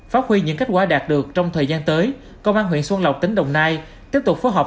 phát huy những kết quả đạt được trong thời gian tới công an huyện xuân lộc tỉnh đồng nai tiếp tục phối hợp